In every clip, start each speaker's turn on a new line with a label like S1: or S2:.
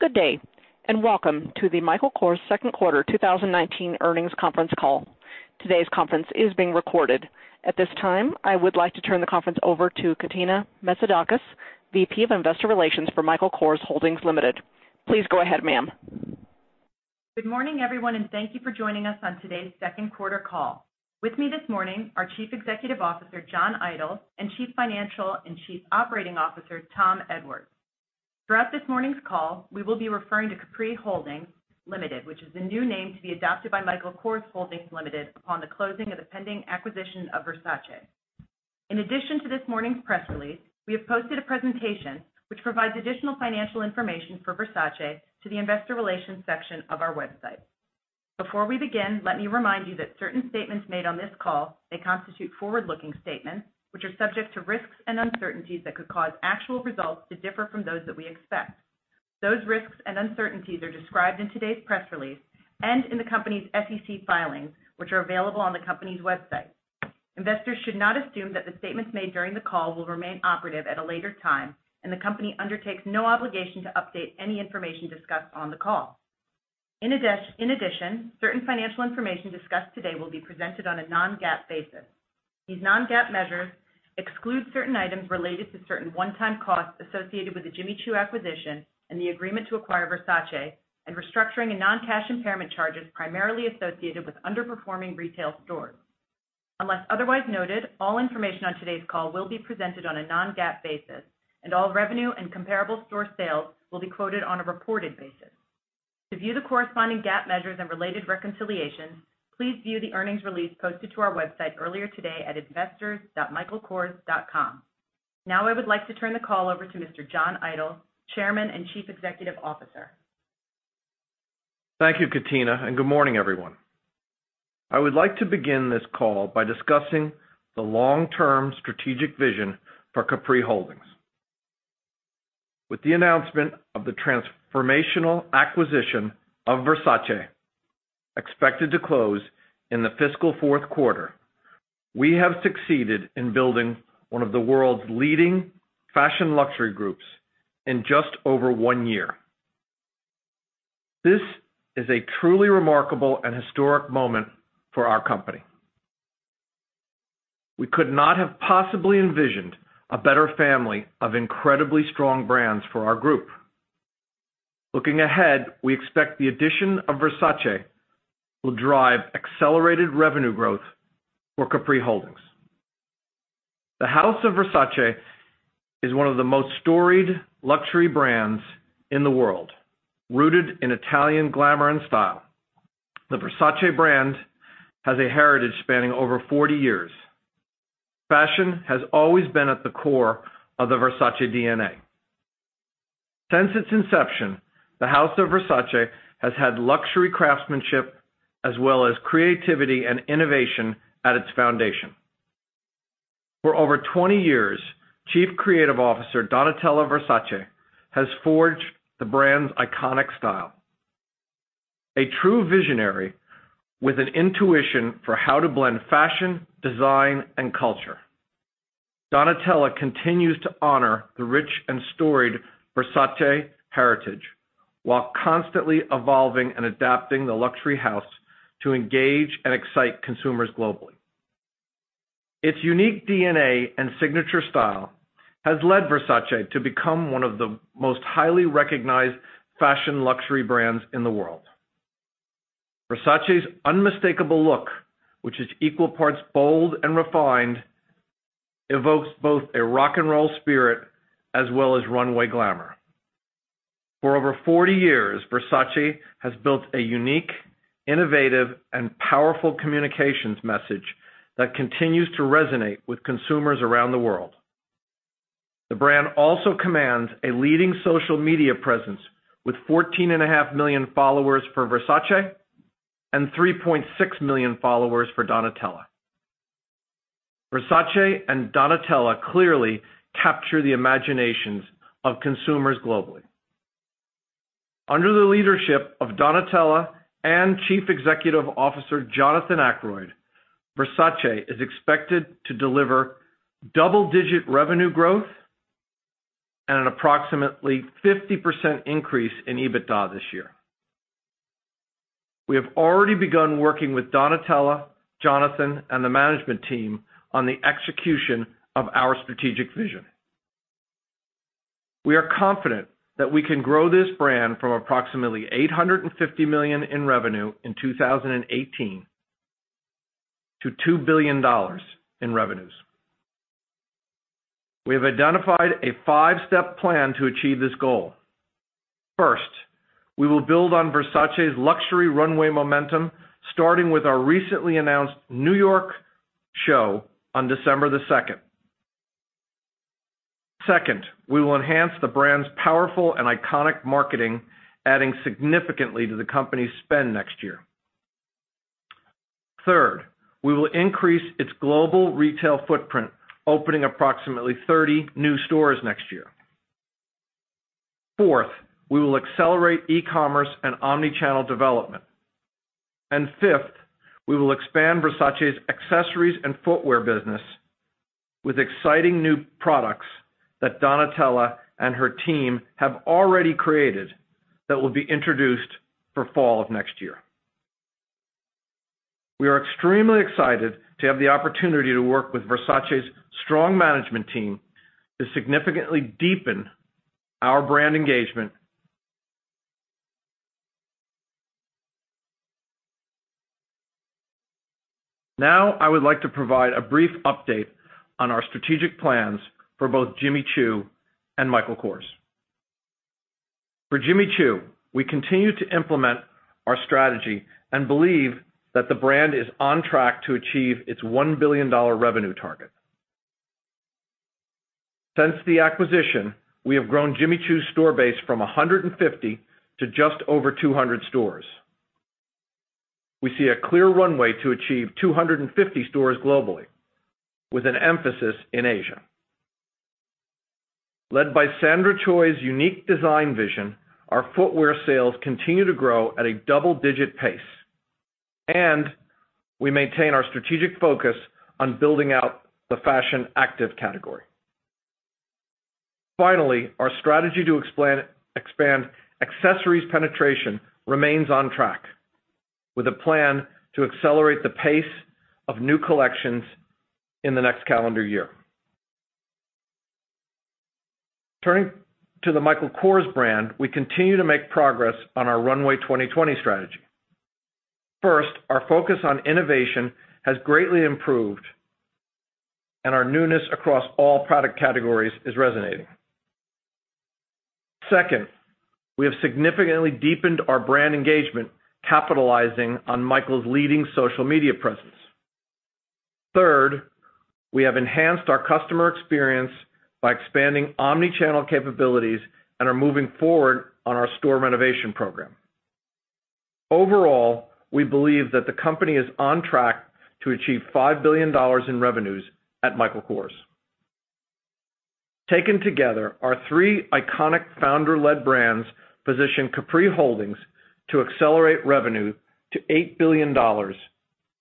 S1: Good day. Welcome to the Michael Kors second quarter 2019 earnings conference call. Today's conference is being recorded. At this time, I would like to turn the conference over to Katina Metzidakis, VP of investor relations for Michael Kors Holdings Limited. Please go ahead, ma'am.
S2: Good morning, everyone. Thank you for joining us on today's second quarter call. With me this morning, our Chief Executive Officer, John Idol, and Chief Financial and Chief Operating Officer, Tom Edwards. Throughout this morning's call, we will be referring to Capri Holdings Limited, which is the new name to be adopted by Michael Kors Holdings Limited upon the closing of the pending acquisition of Versace. In addition to this morning's press release, we have posted a presentation which provides additional financial information for Versace to the investor relations section of our website. Before we begin, let me remind you that certain statements made on this call may constitute forward-looking statements, which are subject to risks and uncertainties that could cause actual results to differ from those that we expect. Those risks and uncertainties are described in today's press release and in the company's SEC filings, which are available on the company's website. Investors should not assume that the statements made during the call will remain operative at a later time, and the company undertakes no obligation to update any information discussed on the call. In addition, certain financial information discussed today will be presented on a non-GAAP basis. These non-GAAP measures exclude certain items related to certain one-time costs associated with the Jimmy Choo acquisition and the agreement to acquire Versace, and restructuring and non-cash impairment charges primarily associated with underperforming retail stores. Unless otherwise noted, all information on today's call will be presented on a non-GAAP basis, and all revenue and comparable store sales will be quoted on a reported basis. To view the corresponding GAAP measures and related reconciliations, please view the earnings release posted to our website earlier today at investors.michaelkors.com. I would like to turn the call over to Mr. John Idol, Chairman and Chief Executive Officer.
S3: Thank you, Katina, and good morning, everyone. I would like to begin this call by discussing the long-term strategic vision for Capri Holdings. With the announcement of the transformational acquisition of Versace, expected to close in the fiscal fourth quarter, we have succeeded in building one of the world's leading fashion luxury groups in just over one year. This is a truly remarkable and historic moment for our company. We could not have possibly envisioned a better family of incredibly strong brands for our group. Looking ahead, we expect the addition of Versace will drive accelerated revenue growth for Capri Holdings. The House of Versace is one of the most storied luxury brands in the world, rooted in Italian glamour and style. The Versace brand has a heritage spanning over 40 years. Fashion has always been at the core of the Versace DNA. Since its inception, the House of Versace has had luxury craftsmanship as well as creativity and innovation at its foundation. For over 20 years, Chief Creative Officer Donatella Versace has forged the brand's iconic style. A true visionary with an intuition for how to blend fashion, design, and culture. Donatella continues to honor the rich and storied Versace heritage while constantly evolving and adapting the luxury house to engage and excite consumers globally. Its unique DNA and signature style has led Versace to become one of the most highly recognized fashion luxury brands in the world. Versace's unmistakable look, which is equal parts bold and refined, evokes both a rock and roll spirit as well as runway glamour. For over 40 years, Versace has built a unique, innovative, and powerful communications message that continues to resonate with consumers around the world. The brand also commands a leading social media presence with 14.5 million followers for Versace and 3.6 million followers for Donatella. Versace and Donatella clearly capture the imaginations of consumers globally. Under the leadership of Donatella and Chief Executive Officer, Jonathan Akeroyd, Versace is expected to deliver double-digit revenue growth and an approximately 50% increase in EBITDA this year. We have already begun working with Donatella, Jonathan, and the management team on the execution of our strategic vision. We are confident that we can grow this brand from approximately $850 million in revenue in 2018 to $2 billion in revenues. We have identified a five-step plan to achieve this goal. First, we will build on Versace's luxury runway momentum, starting with our recently announced New York show on December the 2nd. Second, we will enhance the brand's powerful and iconic marketing, adding significantly to the company's spend next year. Third, we will increase its global retail footprint, opening approximately 30 new stores next year. Fourth, we will accelerate e-commerce and omni-channel development. Fifth, we will expand Versace's accessories and footwear business with exciting new products that Donatella and her team have already created that will be introduced for fall of next year. We are extremely excited to have the opportunity to work with Versace's strong management team to significantly deepen our brand engagement. Now, I would like to provide a brief update on our strategic plans for both Jimmy Choo and Michael Kors. For Jimmy Choo, we continue to implement our strategy and believe that the brand is on track to achieve its $1 billion revenue target. Since the acquisition, we have grown Jimmy Choo's store base from 150 to just over 200 stores. We see a clear runway to achieve 250 stores globally with an emphasis in Asia. Led by Sandra Choi's unique design vision, our footwear sales continue to grow at a double-digit pace, and we maintain our strategic focus on building out the fashion active category. Finally, our strategy to expand accessories penetration remains on track with a plan to accelerate the pace of new collections in the next calendar year. Turning to the Michael Kors brand, we continue to make progress on our Runway 2020 strategy. First, our focus on innovation has greatly improved, and our newness across all product categories is resonating. Second, we have significantly deepened our brand engagement, capitalizing on Michael's leading social media presence. Third, we have enhanced our customer experience by expanding omni-channel capabilities and are moving forward on our store renovation program. Overall, we believe that the company is on track to achieve $5 billion in revenues at Michael Kors. Taken together, our three iconic founder-led brands position Capri Holdings to accelerate revenue to $8 billion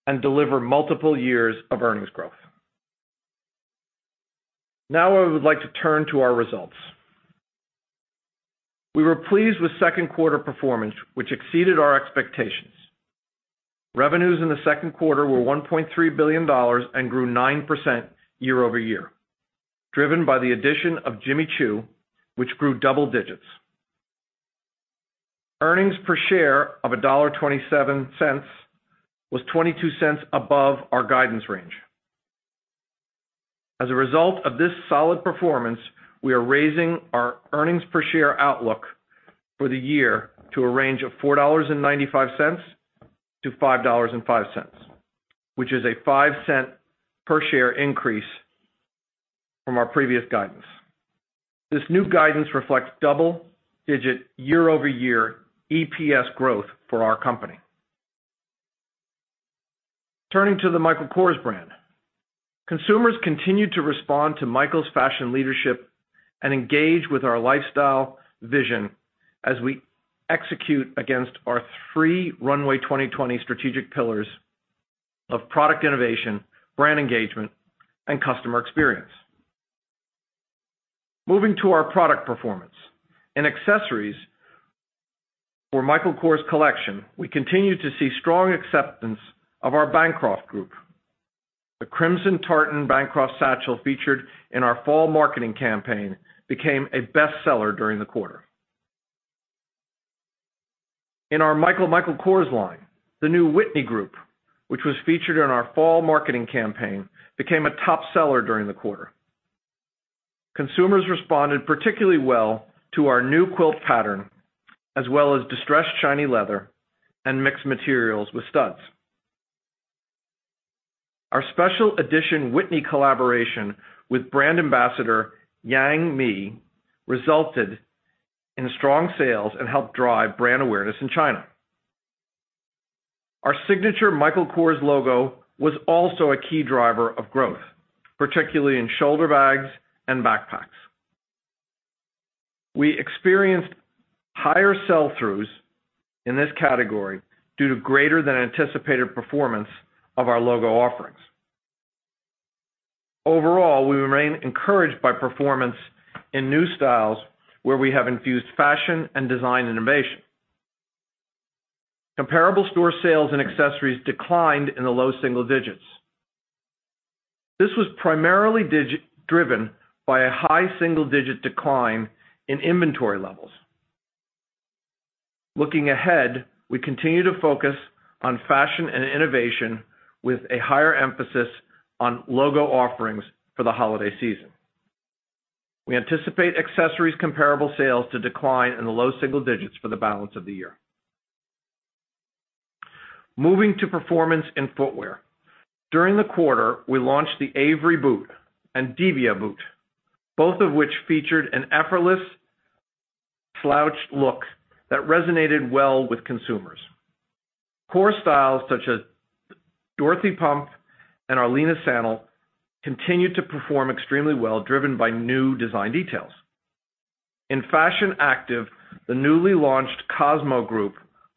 S3: and deliver multiple years of earnings growth. Now I would like to turn to our results. We were pleased with second quarter performance, which exceeded our expectations. Revenues in the second quarter were $1.3 billion and grew 9% year-over-year, driven by the addition of Jimmy Choo, which grew double digits. Earnings per share of $1.27 was $0.22 above our guidance range. As a result of this solid performance, we are raising our earnings per share outlook for the year to a range of $4.95 to $5.05, which is a $0.05 per share increase from our previous guidance. This new guidance reflects double digit year-over-year EPS growth for our company. Turning to the Michael Kors brand. Consumers continue to respond to Michael's fashion leadership and engage with our lifestyle vision as we execute against our three Runway 2020 strategic pillars of product innovation, brand engagement, and customer experience. Moving to our product performance. In accessories for Michael Kors Collection, we continue to see strong acceptance of our Bancroft group. The crimson tartan Bancroft satchel featured in our fall marketing campaign became a best seller during the quarter. In our MICHAEL Michael Kors line, the new Whitney group, which was featured in our fall marketing campaign, became a top seller during the quarter. Consumers responded particularly well to our new quilt pattern, as well as distressed shiny leather and mixed materials with studs. Our special edition Whitney collaboration with brand ambassador Yang Mi resulted in strong sales and helped drive brand awareness in China. Our signature Michael Kors logo was also a key driver of growth, particularly in shoulder bags and backpacks. We experienced higher sell-throughs in this category due to greater than anticipated performance of our logo offerings. Overall, we remain encouraged by performance in new styles where we have infused fashion and design innovation. Comparable store sales and accessories declined in the low single digits. This was primarily driven by a high single-digit decline in inventory levels. Looking ahead, we continue to focus on fashion and innovation with a higher emphasis on logo offerings for the holiday season. We anticipate accessories comparable sales to decline in the low single digits for the balance of the year. Moving to performance in footwear. During the quarter, we launched the Avery boot and Divia boot, both of which featured an effortless slouched look that resonated well with consumers. Core styles such as the Dorothy pump and Arlena sandal continued to perform extremely well, driven by new design details. In fashion active, the newly launched Cosmo group,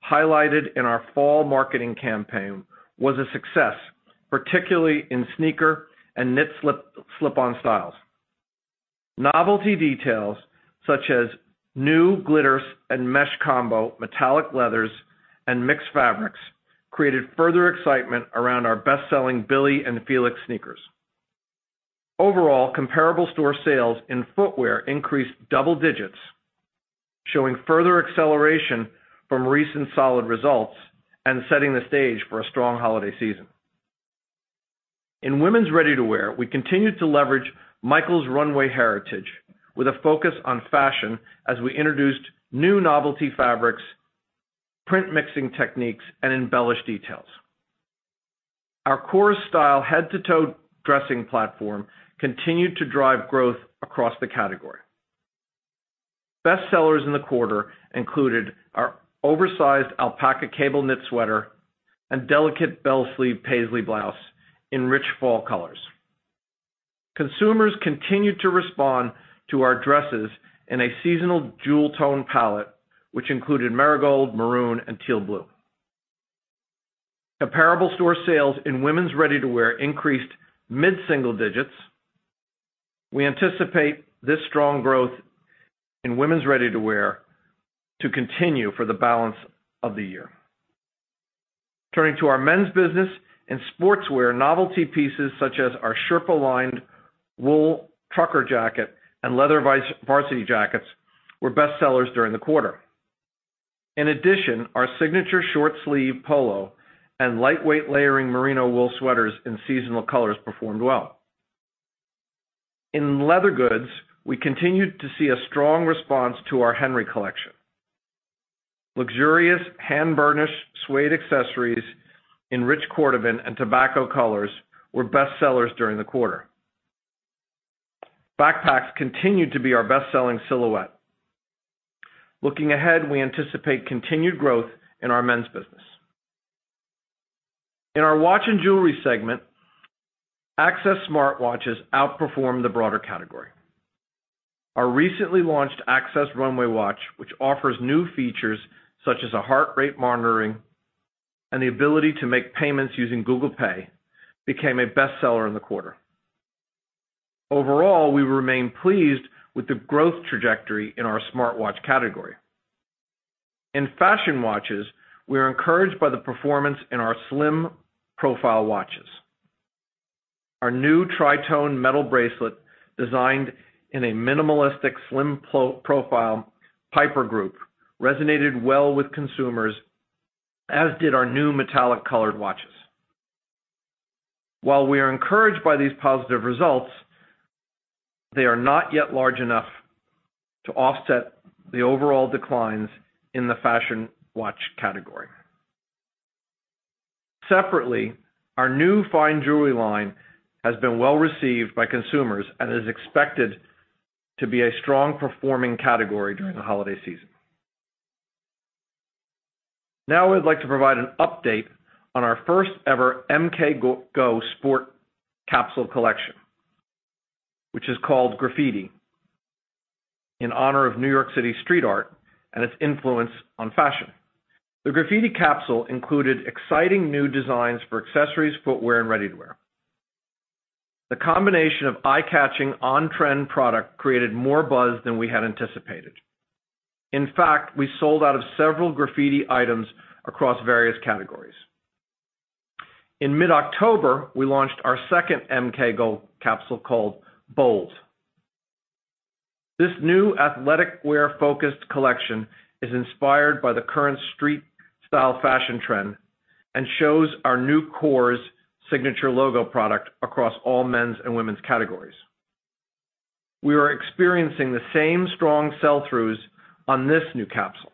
S3: highlighted in our fall marketing campaign, was a success, particularly in sneaker and knit slip-on styles. Novelty details, such as new glitters and mesh combo metallic leathers and mixed fabrics, created further excitement around our best-selling Billie and Felix sneakers. Overall, comparable store sales in footwear increased double digits, showing further acceleration from recent solid results and setting the stage for a strong holiday season. In women's ready-to-wear, we continued to leverage Michael's runway heritage with a focus on fashion as we introduced new novelty fabrics, print mixing techniques, and embellished details. Our Kors style head-to-toe dressing platform continued to drive growth across the category. Bestsellers in the quarter included our oversized alpaca cable knit sweater and delicate bell sleeve paisley blouse in rich fall colors. Consumers continued to respond to our dresses in a seasonal jewel tone palette, which included marigold, maroon, and teal blue. Comparable store sales in women's ready-to-wear increased mid-single digits. We anticipate this strong growth in women's ready-to-wear to continue for the balance of the year. Turning to our men's business, in sportswear, novelty pieces such as our sherpa-lined wool trucker jacket and leather varsity jackets were bestsellers during the quarter. In addition, our signature short sleeve polo and lightweight layering merino wool sweaters in seasonal colors performed well. In leather goods, we continued to see a strong response to our Henry collection. Luxurious hand-burnished suede accessories in rich cordovan and tobacco colors were bestsellers during the quarter. Backpacks continued to be our best-selling silhouette. Looking ahead, we anticipate continued growth in our men's business. In our watch and jewelry segment, Access smartwatches outperformed the broader category. Our recently launched Access Runway watch, which offers new features such as heart rate monitoring and the ability to make payments using Google Pay, became a bestseller in the quarter. Overall, we remain pleased with the growth trajectory in our smartwatch category. In fashion watches, we are encouraged by the performance in our slim profile watches. Our new tritone metal bracelet, designed in a minimalistic slim profile Piper group, resonated well with consumers, as did our new metallic colored watches. While we are encouraged by these positive results, they are not yet large enough to offset the overall declines in the fashion watch category. Separately, our new fine jewelry line has been well received by consumers and is expected to be a strong-performing category during the holiday season. Now I'd like to provide an update on our first-ever MK Go sport capsule collection, which is called Graffiti, in honor of New York City street art and its influence on fashion. The Graffiti capsule included exciting new designs for accessories, footwear, and ready-to-wear. The combination of eye-catching, on-trend product created more buzz than we had anticipated. In fact, we sold out of several Graffiti items across various categories. In mid-October, we launched our second MK Go capsule called Bold. This new athletic wear-focused collection is inspired by the current street style fashion trend and shows our new Kors signature logo product across all men's and women's categories. We are experiencing the same strong sell-throughs on this new capsule.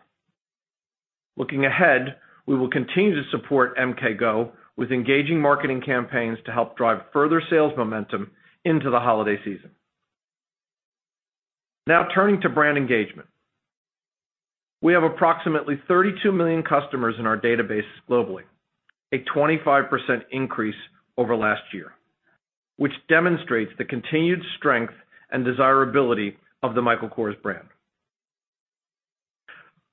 S3: Looking ahead, we will continue to support MK Go with engaging marketing campaigns to help drive further sales momentum into the holiday season. Now turning to brand engagement. We have approximately 32 million customers in our database globally, a 25% increase over last year, which demonstrates the continued strength and desirability of the Michael Kors brand.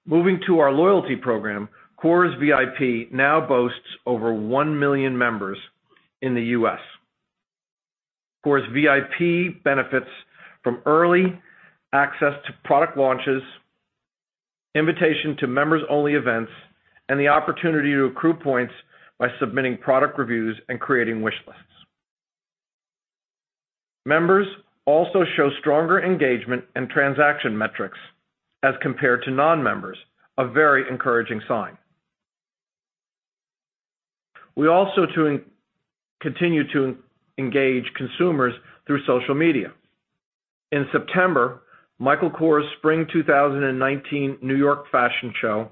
S3: Moving to our loyalty program, KORSVIP now boasts over 1 million members in the U.S. KORSVIP benefits from early access to product launches, invitation to members-only events, and the opportunity to accrue points by submitting product reviews and creating wish lists. Members also show stronger engagement and transaction metrics as compared to non-members, a very encouraging sign. We also continue to engage consumers through social media. In September, Michael Kors Spring 2019 New York Fashion Show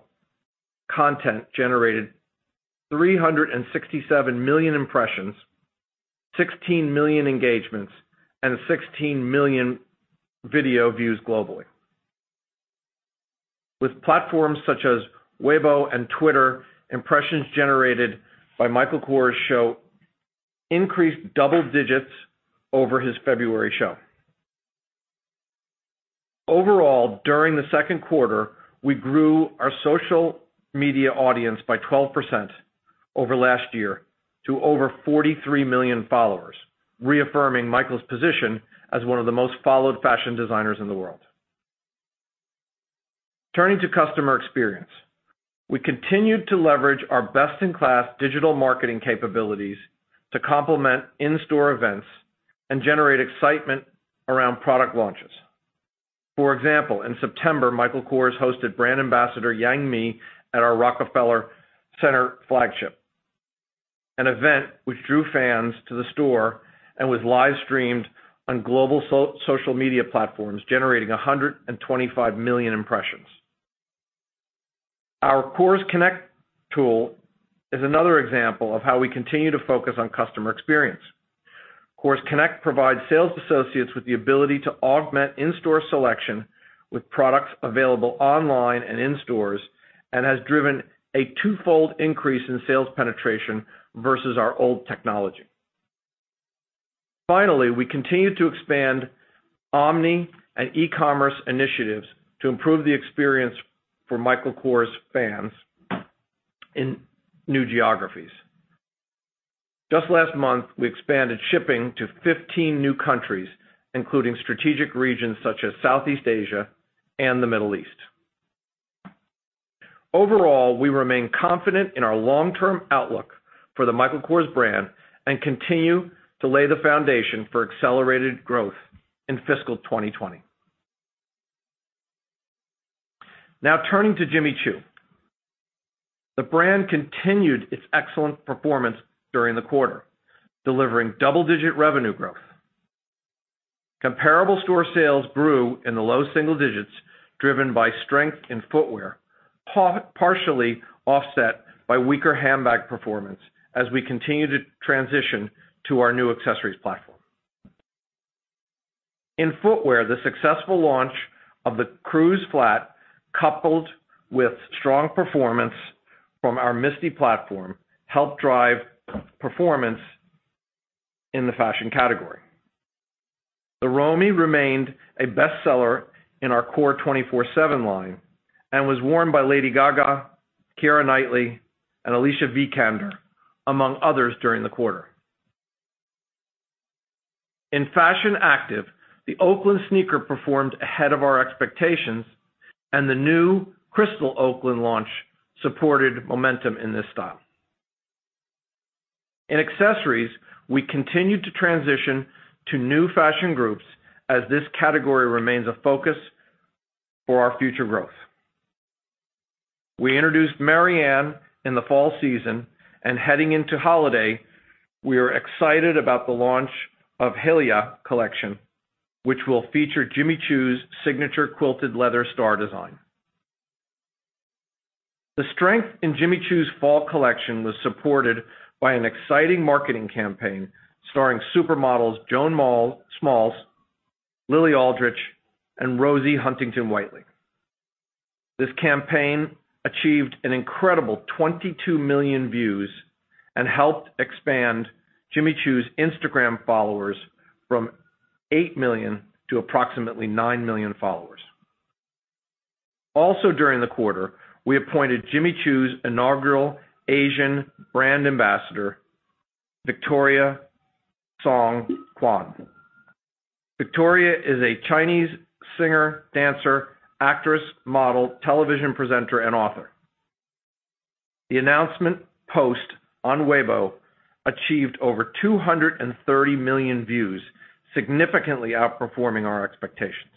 S3: content generated 367 million impressions, 16 million engagements, and 16 million video views globally. With platforms such as Weibo and Twitter, impressions generated by Michael Kors show increased double digits over his February show. Overall, during the second quarter, we grew our social media audience by 12% over last year to over 43 million followers, reaffirming Michael's position as one of the most followed fashion designers in the world. Turning to customer experience. We continued to leverage our best-in-class digital marketing capabilities to complement in-store events and generate excitement around product launches. For example, in September, Michael Kors hosted brand ambassador Yang Mi at our Rockefeller Center flagship, an event which drew fans to the store and was live-streamed on global social media platforms, generating 125 million impressions. Our Kors Connect tool is another example of how we continue to focus on customer experience. Kors Connect provides sales associates with the ability to augment in-store selection with products available online and in stores and has driven a twofold increase in sales penetration versus our old technology. Finally, we continued to expand omni and e-commerce initiatives to improve the experience for Michael Kors fans in new geographies. Just last month, we expanded shipping to 15 new countries, including strategic regions such as Southeast Asia and the Middle East. Overall, we remain confident in our long-term outlook for the Michael Kors brand and continue to lay the foundation for accelerated growth in fiscal 2020. Now turning to Jimmy Choo. The brand continued its excellent performance during the quarter, delivering double-digit revenue growth. Comparable store sales grew in the low single digits, driven by strength in footwear, partially offset by weaker handbag performance as we continue to transition to our new accessories platform. In footwear, the successful launch of the Cruz flat, coupled with strong performance from our Misty platform, helped drive performance in the fashion category. The Romy remained a bestseller in our Core 24/7 line and was worn by Lady Gaga, Keira Knightley, and Alicia Vikander, among others, during the quarter. In fashion active, the Oakland sneaker performed ahead of our expectations, and the new Crystal Oakland launch supported momentum in this style. In accessories, we continued to transition to new fashion groups as this category remains a focus for our future growth. We introduced Marianne in the fall season, and heading into holiday, we are excited about the launch of Helia collection, which will feature Jimmy Choo's signature quilted leather star design. The strength in Jimmy Choo's fall collection was supported by an exciting marketing campaign starring supermodels Joan Smalls, Lily Aldridge, and Rosie Huntington-Whiteley. This campaign achieved an incredible 22 million views and helped expand Jimmy Choo's Instagram followers from eight million to approximately nine million followers. During the quarter, we appointed Jimmy Choo's inaugural Asian brand ambassador, Victoria Song Qian. Victoria is a Chinese singer, dancer, actress, model, television presenter, and author. The announcement post on Weibo achieved over 230 million views, significantly outperforming our expectations.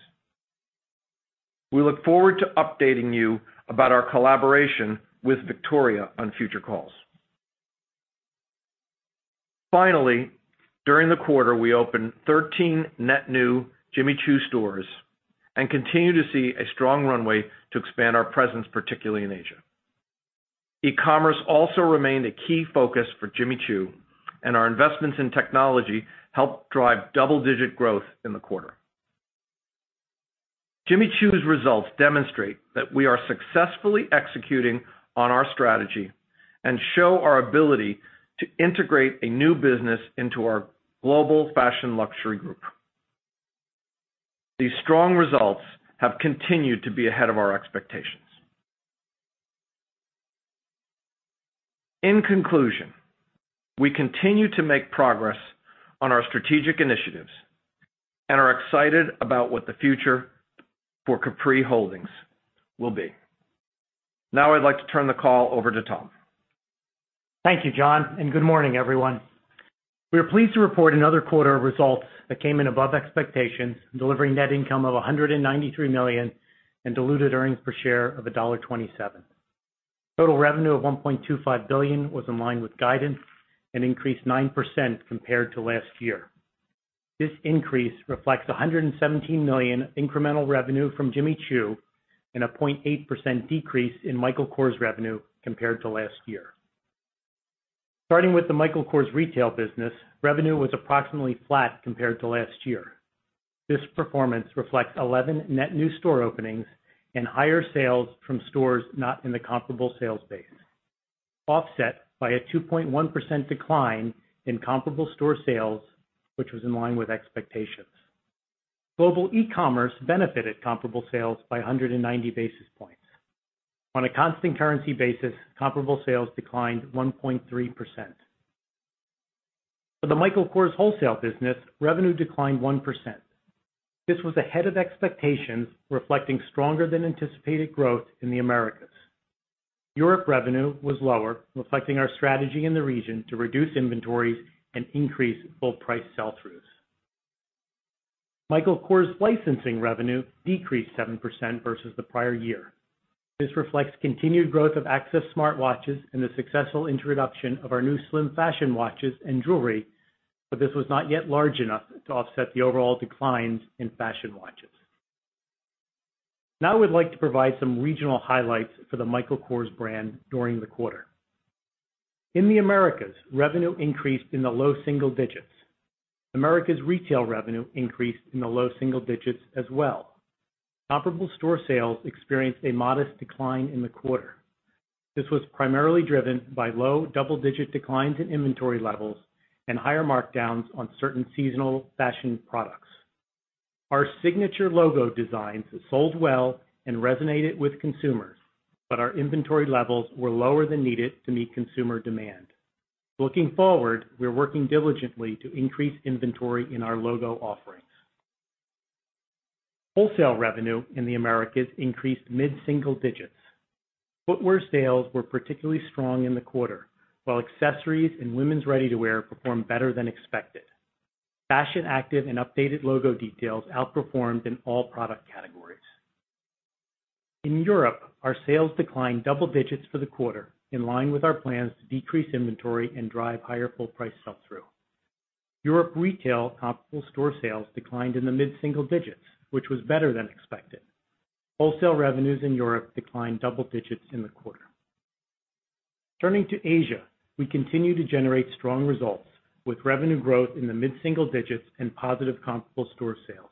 S3: We look forward to updating you about our collaboration with Victoria on future calls. During the quarter, we opened 13 net new Jimmy Choo stores and continue to see a strong runway to expand our presence, particularly in Asia. E-commerce also remained a key focus for Jimmy Choo, and our investments in technology helped drive double-digit growth in the quarter. Jimmy Choo's results demonstrate that we are successfully executing on our strategy and show our ability to integrate a new business into our global fashion luxury group. These strong results have continued to be ahead of our expectations. We continue to make progress on our strategic initiatives and are excited about what the future for Capri Holdings will be. I'd like to turn the call over to Tom.
S4: Thank you, John, good morning, everyone. We are pleased to report another quarter of results that came in above expectations, delivering net income of $193 million and diluted earnings per share of $1.27. Total revenue of $1.25 billion was in line with guidance and increased 9% compared to last year. This increase reflects $117 million incremental revenue from Jimmy Choo and a 0.8% decrease in Michael Kors revenue compared to last year. Starting with the Michael Kors retail business, revenue was approximately flat compared to last year. This performance reflects 11 net new store openings and higher sales from stores not in the comparable sales base, offset by a 2.1% decline in comparable store sales, which was in line with expectations. Global e-commerce benefited comparable sales by 190 basis points. On a constant currency basis, comparable sales declined 1.3%. For the Michael Kors wholesale business, revenue declined 1%. This was ahead of expectations, reflecting stronger than anticipated growth in the Americas. Europe revenue was lower, reflecting our strategy in the region to reduce inventories and increase full price sell-throughs. Michael Kors licensing revenue decreased 7% versus the prior year. This reflects continued growth of Access smartwatches and the successful introduction of our new slim fashion watches and jewelry, but this was not yet large enough to offset the overall declines in fashion watches. I would like to provide some regional highlights for the Michael Kors brand during the quarter. In the Americas, revenue increased in the low single digits. Americas retail revenue increased in the low single digits as well. Comparable store sales experienced a modest decline in the quarter. This was primarily driven by low double-digit declines in inventory levels and higher markdowns on certain seasonal fashion products. Our signature logo designs sold well and resonated with consumers, but our inventory levels were lower than needed to meet consumer demand. Looking forward, we're working diligently to increase inventory in our logo offerings. Wholesale revenue in the Americas increased mid-single digits. Footwear sales were particularly strong in the quarter, while accessories and women's ready-to-wear performed better than expected. Fashion active and updated logo details outperformed in all product categories. In Europe, our sales declined double digits for the quarter, in line with our plans to decrease inventory and drive higher full price sell-through. Europe retail comparable store sales declined in the mid-single digits, which was better than expected. Wholesale revenues in Europe declined double digits in the quarter. Turning to Asia, we continue to generate strong results with revenue growth in the mid-single digits and positive comparable store sales.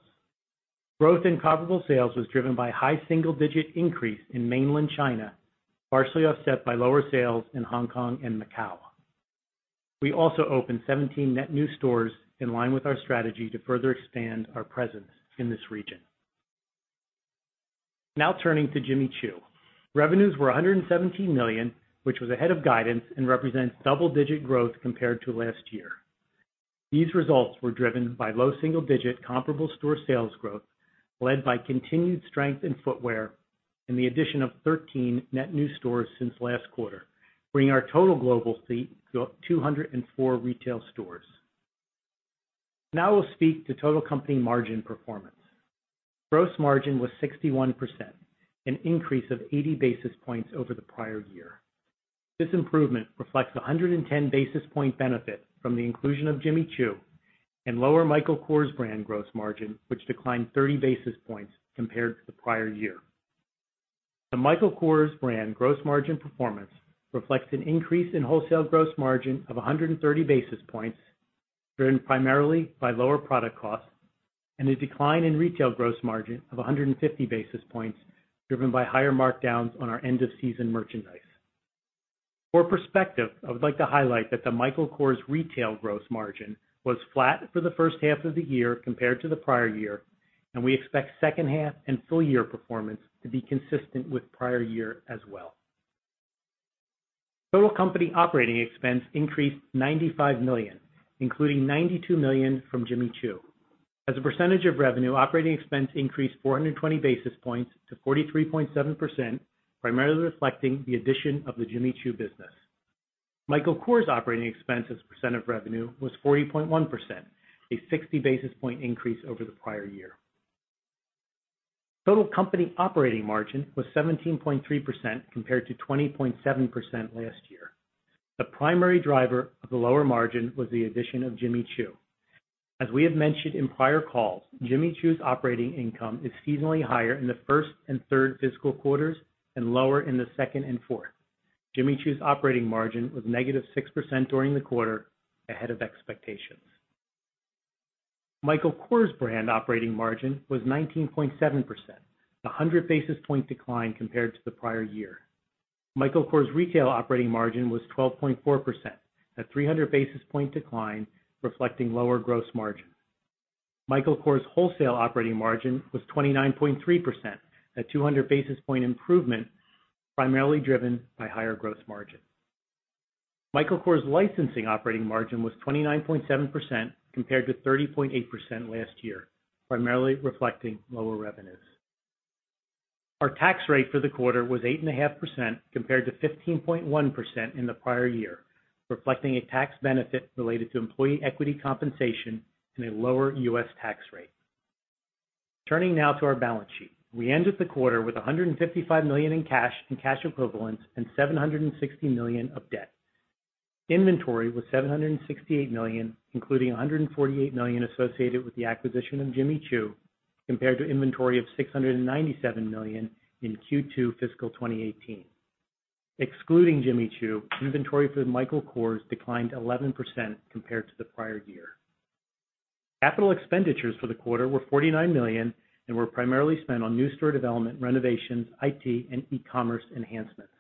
S4: Growth in comparable sales was driven by high single-digit increase in mainland China, partially offset by lower sales in Hong Kong and Macau. We also opened 17 net new stores in line with our strategy to further expand our presence in this region. Now turning to Jimmy Choo. Revenues were $117 million, which was ahead of guidance and represents double-digit growth compared to last year. These results were driven by low double-digit comparable store sales growth, led by continued strength in footwear and the addition of 13 net new stores since last quarter, bringing our total global fleet to 204 retail stores. Now we'll speak to total company margin performance. Gross margin was 61%, an increase of 80 basis points over the prior year. This improvement reflects 110 basis point benefit from the inclusion of Jimmy Choo and lower Michael Kors brand gross margin, which declined 30 basis points compared to the prior year. The Michael Kors brand gross margin performance reflects an increase in wholesale gross margin of 130 basis points, driven primarily by lower product costs, and a decline in retail gross margin of 150 basis points, driven by higher markdowns on our end of season merchandise. For perspective, I would like to highlight that the Michael Kors retail gross margin was flat for the first half of the year compared to the prior year, and we expect second half and full year performance to be consistent with prior year as well. Total company operating expense increased $95 million, including $92 million from Jimmy Choo. As a percentage of revenue, operating expense increased 420 basis points to 43.7%, primarily reflecting the addition of the Jimmy Choo business. Michael Kors operating expense as a percent of revenue was 40.1%, a 60 basis point increase over the prior year. Total company operating margin was 17.3% compared to 20.7% last year. The primary driver of the lower margin was the addition of Jimmy Choo. As we have mentioned in prior calls, Jimmy Choo's operating income is seasonally higher in the first and third fiscal quarters and lower in the second and fourth. Jimmy Choo's operating margin was negative 6% during the quarter, ahead of expectations. Michael Kors brand operating margin was 19.7%, a 100 basis point decline compared to the prior year. Michael Kors retail operating margin was 12.4%, a 300 basis point decline reflecting lower gross margin. Michael Kors wholesale operating margin was 29.3%, a 200 basis point improvement primarily driven by higher gross margin. Michael Kors licensing operating margin was 29.7% compared to 30.8% last year, primarily reflecting lower revenues. Our tax rate for the quarter was 8.5% compared to 15.1% in the prior year, reflecting a tax benefit related to employee equity compensation and a lower U.S. tax rate. Turning now to our balance sheet. We ended the quarter with $155 million in cash and cash equivalents and $760 million of debt. Inventory was $768 million, including $148 million associated with the acquisition of Jimmy Choo. Compared to inventory of $697 million in Q2 fiscal 2018. Excluding Jimmy Choo, inventory for Michael Kors declined 11% compared to the prior year. Capital expenditures for the quarter were $49 million and were primarily spent on new store development, renovations, IT, and e-commerce enhancements.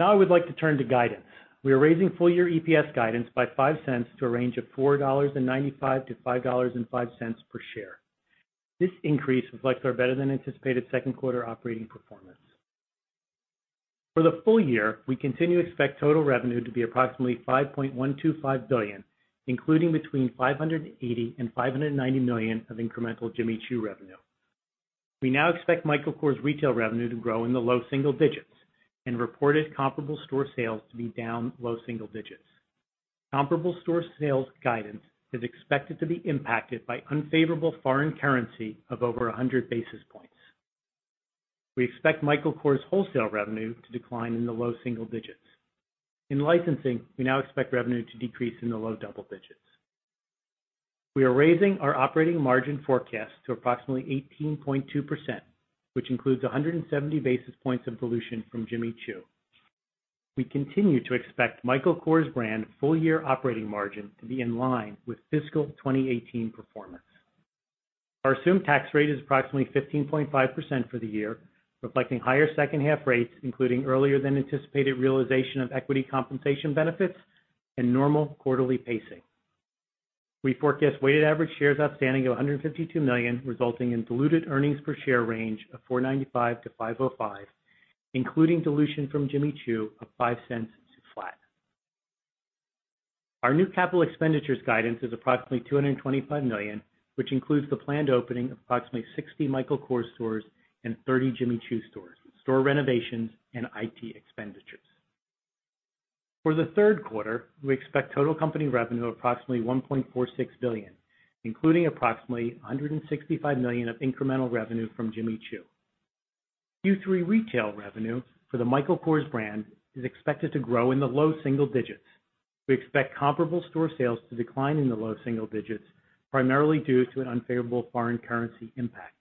S4: I would like to turn to guidance. We are raising full-year EPS guidance by $0.05 to a range of $4.95-$5.05 per share. This increase reflects our better than anticipated second quarter operating performance. For the full year, we continue to expect total revenue to be approximately $5.125 billion, including between $580 million and $590 million of incremental Jimmy Choo revenue. We now expect Michael Kors retail revenue to grow in the low single digits and reported comparable store sales to be down low single digits. Comparable store sales guidance is expected to be impacted by unfavorable foreign currency of over 100 basis points. We expect Michael Kors wholesale revenue to decline in the low single digits. In licensing, we now expect revenue to decrease in the low double digits. We are raising our operating margin forecast to approximately 18.2%, which includes 170 basis points of dilution from Jimmy Choo. We continue to expect Michael Kors brand full-year operating margin to be in line with fiscal 2018 performance. Our assumed tax rate is approximately 15.5% for the year, reflecting higher second half rates, including earlier than anticipated realization of equity compensation benefits and normal quarterly pacing. We forecast weighted average shares outstanding of 152 million, resulting in diluted earnings per share range of $4.95-$5.05, including dilution from Jimmy Choo of $0.05 to flat. Our new capital expenditures guidance is approximately $225 million, which includes the planned opening of approximately 60 Michael Kors stores and 30 Jimmy Choo stores, store renovations, and IT expenditures. For the third quarter, we expect total company revenue of approximately $1.46 billion, including approximately $165 million of incremental revenue from Jimmy Choo. Q3 retail revenue for the Michael Kors brand is expected to grow in the low single digits. We expect comparable store sales to decline in the low single digits, primarily due to an unfavorable foreign currency impact.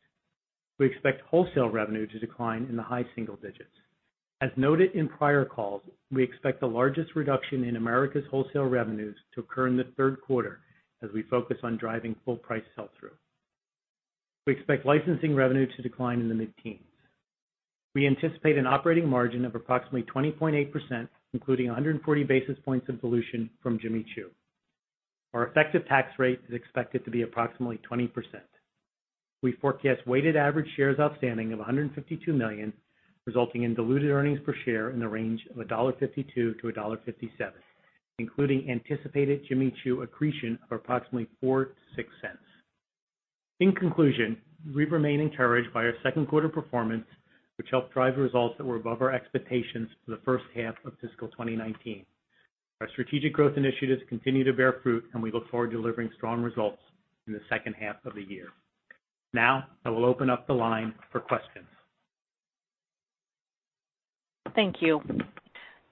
S4: We expect wholesale revenue to decline in the high single digits. As noted in prior calls, we expect the largest reduction in Americas wholesale revenues to occur in the third quarter as we focus on driving full price sell-through. We expect licensing revenue to decline in the mid-teens. We anticipate an operating margin of approximately 20.8%, including 140 basis points of dilution from Jimmy Choo. Our effective tax rate is expected to be approximately 20%. We forecast weighted average shares outstanding of 152 million, resulting in diluted earnings per share in the range of $1.52-$1.57, including anticipated Jimmy Choo accretion of approximately $0.04-$0.06. In conclusion, we remain encouraged by our second quarter performance, which helped drive results that were above our expectations for the first half of fiscal 2019. Our strategic growth initiatives continue to bear fruit, and we look forward to delivering strong results in the second half of the year. I will open up the line for questions.
S1: Thank you.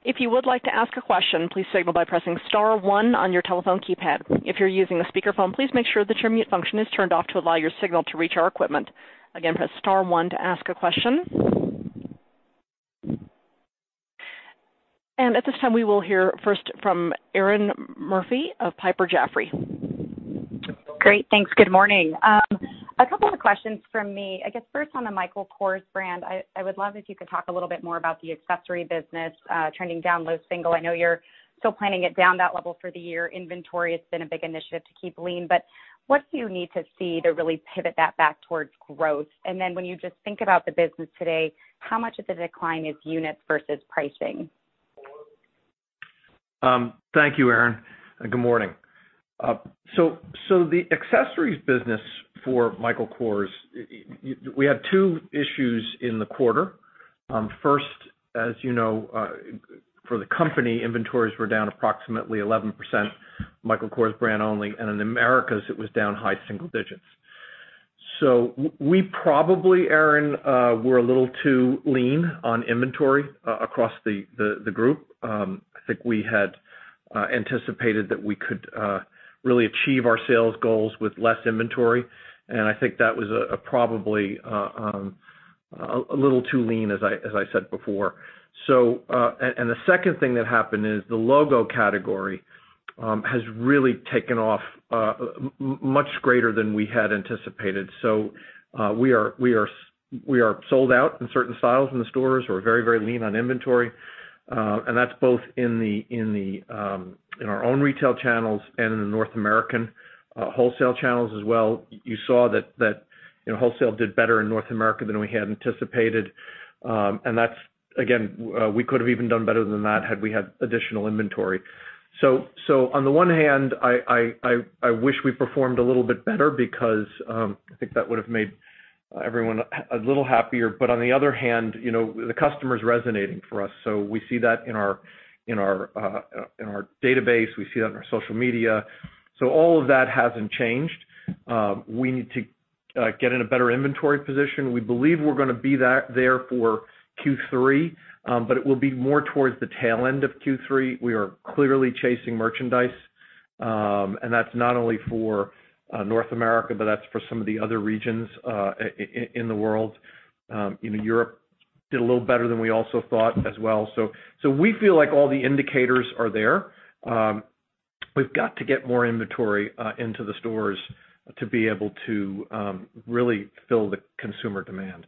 S1: If you would like to ask a question, please signal by pressing star one on your telephone keypad. If you're using a speakerphone, please make sure that your mute function is turned off to allow your signal to reach our equipment. Again, press star one to ask a question. At this time, we will hear first from Erinn Murphy of Piper Jaffray.
S5: Great. Thanks. Good morning. A couple of questions from me. I guess first on the Michael Kors brand, I would love if you could talk a little bit more about the accessory business trending down low single. I know you're still planning it down that level for the year. Inventory has been a big initiative to keep lean, but what do you need to see to really pivot that back towards growth? When you just think about the business today, how much of the decline is units versus pricing?
S4: Thank you, Erinn, and good morning. The accessories business for Michael Kors, we have two issues in the quarter. First, as you know, for the company, inventories were down approximately 11%, Michael Kors brand only, and in Americas, it was down high single digits. We probably, Erinn, were a little too lean on inventory across the group. I think we had anticipated that we could really achieve our sales goals with less inventory, and I think that was probably a little too lean, as I said before. The second thing that happened is the logo category has really taken off much greater than we had anticipated. We are sold out in certain styles in the stores. We're very lean on inventory, and that's both in our own retail channels and in the North American wholesale channels as well. You saw that wholesale did better in North America than we had anticipated. We could have even done better than that had we had additional inventory. On the one hand, I wish we performed a little bit better because I think that would've made everyone a little happier. On the other hand, the customer's resonating for us, so we see that in our database, we see that in our social media. All of that hasn't changed. We need to get in a better inventory position. We believe we're going to be there for Q3, but it will be more towards the tail end of Q3. We are clearly chasing merchandise
S3: That's not only for North America, but that's for some of the other regions in the world. Europe did a little better than we also thought as well. We feel like all the indicators are there. We've got to get more inventory into the stores to be able to really fill the consumer demand.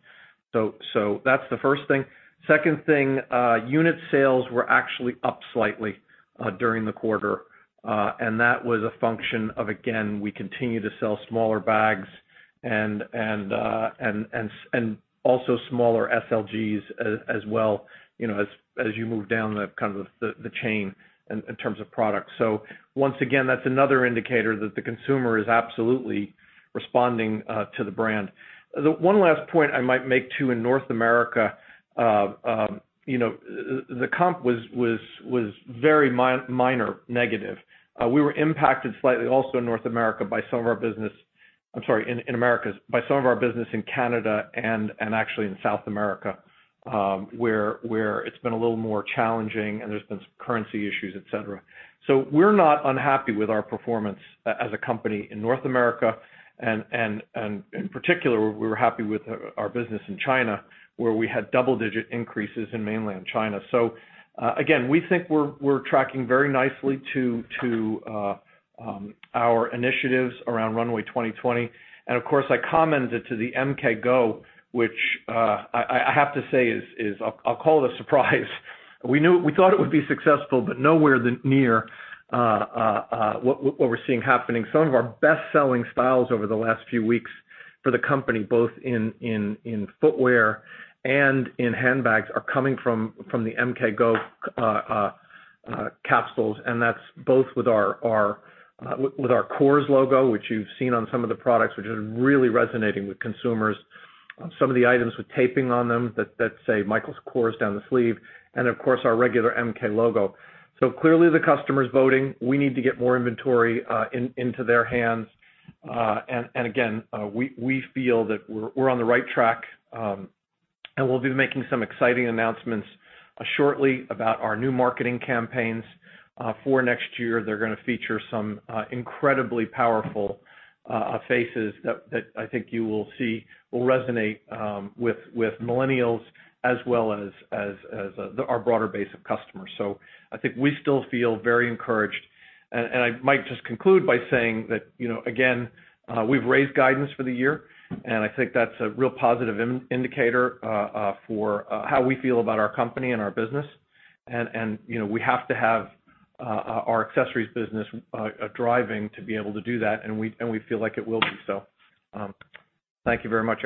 S3: That's the first thing. Second thing, unit sales were actually up slightly during the quarter. That was a function of, again, we continue to sell smaller bags and also smaller SLGs as well as you move down the chain in terms of products. Once again, that's another indicator that the consumer is absolutely responding to the brand. The one last point I might make, too, in North America, the comp was very minor negative. We were impacted slightly also in North America by some of our business I'm sorry, in Americas, by some of our business in Canada and actually in South America, where it's been a little more challenging and there's been some currency issues, et cetera. We're not unhappy with our performance as a company in North America, and in particular, we were happy with our business in China, where we had double-digit increases in mainland China. We think we're tracking very nicely to our initiatives around Runway 2020. Of course, I commented to the MK Go, which I have to say is, I'll call it a surprise. We thought it would be successful, but nowhere near what we're seeing happening. Some of our best-selling styles over the last few weeks for the company, both in footwear and in handbags, are coming from the MK Go capsules, and that's both with our Kors logo, which you've seen on some of the products, which is really resonating with consumers. Some of the items with taping on them that say Michael Kors down the sleeve, and of course, our regular MK logo. Clearly the customer's voting. We need to get more inventory into their hands. Again, we feel that we're on the right track, and we'll be making some exciting announcements shortly about our new marketing campaigns for next year. They're going to feature some incredibly powerful faces that I think you will see will resonate with millennials as well as our broader base of customers. I think we still feel very encouraged. I might just conclude by saying that, again, we've raised guidance for the year, I think that's a real positive indicator for how we feel about our company and our business. We have to have our accessories business driving to be able to do that, we feel like it will be so. Thank you very much,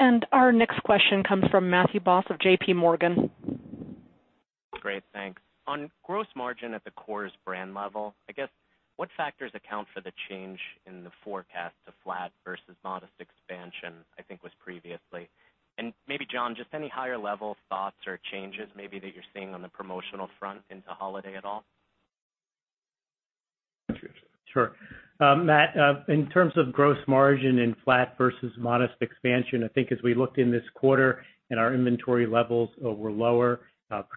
S3: Erinn.
S1: Our next question comes from Matthew Boss of JPMorgan.
S6: Great. Thanks. On gross margin at the Kors brand level, what factors account for the change in the forecast to flat versus modest expansion, I think was previously. Maybe, John, just any higher level thoughts or changes maybe that you're seeing on the promotional front into holiday at all?
S3: Sure. Matt, in terms of gross margin in flat versus modest expansion, I think as we looked in this quarter and our inventory levels were lower,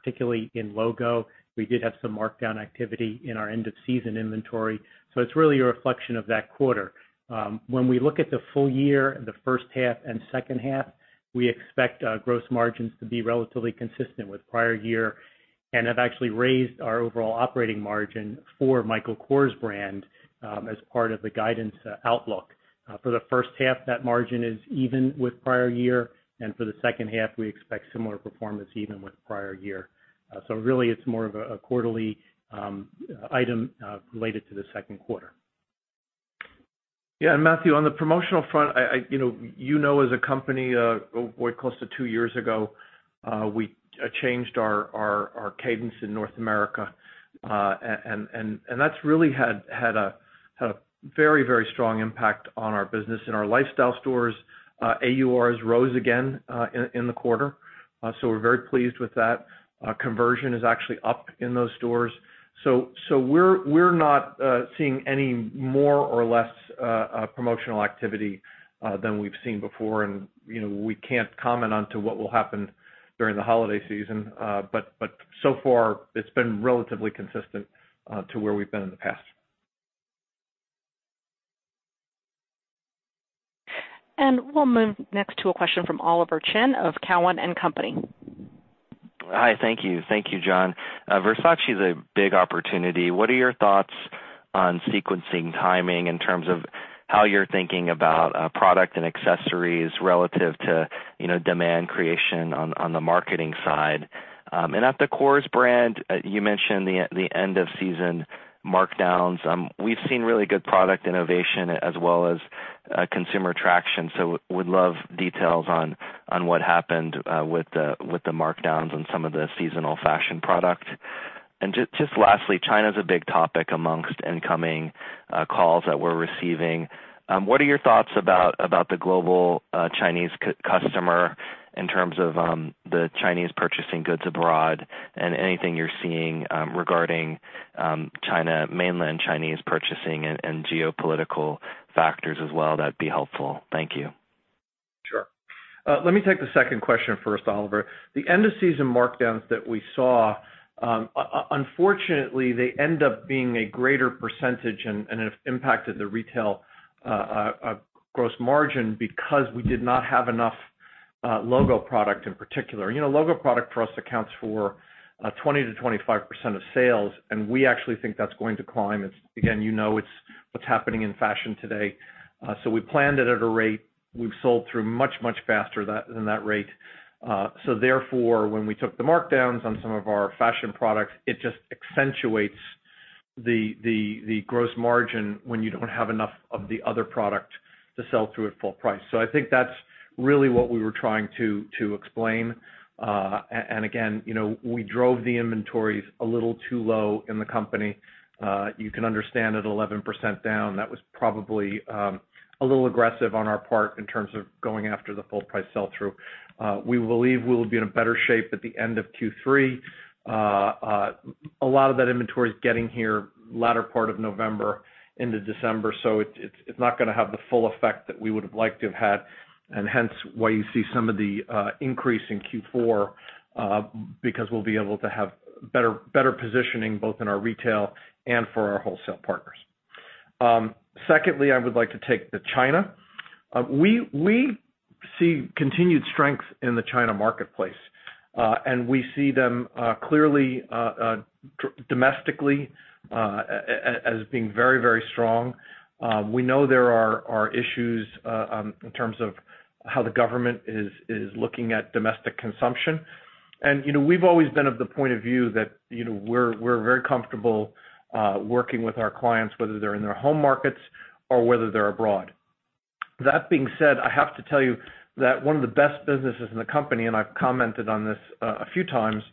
S3: particularly in logo, we did have some markdown activity in our end of season inventory. It's really a reflection of that quarter. When we look at the full year, the first half and second half, we expect gross margins to be relatively consistent with prior year and have actually raised our overall operating margin for Michael Kors as part of the guidance outlook. For the first half, that margin is even with prior year, and for the second half, we expect similar performance even with prior year. Really it's more of a quarterly item related to the second quarter. Yeah, Matthew, on the promotional front, you know as a company, close to two years ago, we changed our cadence in North America, that's really had a very strong impact on our business. In our lifestyle stores, AUR has rose again in the quarter. We're very pleased with that. Conversion is actually up in those stores. We're not seeing any more or less promotional activity than we've seen before, we can't comment on to what will happen during the holiday season. So far, it's been relatively consistent to where we've been in the past.
S1: We'll move next to a question from Oliver Chen of Cowen and Company.
S7: Hi. Thank you. Thank you, John. Versace is a big opportunity. What are your thoughts on sequencing timing in terms of how you're thinking about product and accessories relative to demand creation on the marketing side? At the Kors brand, you mentioned the end-of-season markdowns. We've seen really good product innovation as well as consumer traction, would love details on what happened with the markdowns on some of the seasonal fashion product. Just lastly, China's a big topic amongst incoming calls that we're receiving. What are your thoughts about the global Chinese customer in terms of the Chinese purchasing goods abroad and anything you're seeing regarding mainland Chinese purchasing and geopolitical factors as well? That'd be helpful. Thank you.
S3: Sure. Let me take the second question first, Oliver. The end-of-season markdowns that we saw, unfortunately, they end up being a greater % and have impacted the retail gross margin because we did not have enough logo product in particular. Logo product for us accounts for 20%-25% of sales, we actually think that's going to climb. Again, you know what's happening in fashion today. We planned it at a rate. We've sold through much faster than that rate. Therefore, when we took the markdowns on some of our fashion products, it just accentuates the gross margin when you don't have enough of the other product to sell through at full price. I think that's really what we were trying to explain. Again, we drove the inventories a little too low in the company. You can understand at 11% down, that was probably a little aggressive on our part in terms of going after the full price sell-through. We believe we'll be in a better shape at the end of Q3. A lot of that inventory is getting here latter part of November into December. It's not going to have the full effect that we would have liked to have had, and hence why you see some of the increase in Q4, because we'll be able to have better positioning both in our retail and for our wholesale partners. Secondly, I would like to take the China. We see continued strength in the China marketplace, and we see them clearly domestically as being very strong. We know there are issues in terms of how the government is looking at domestic consumption. We've always been of the point of view that we're very comfortable working with our clients, whether they're in their home markets or whether they're abroad. That being said, I have to tell you that one of the best businesses in the company, and I've commented on this a few times,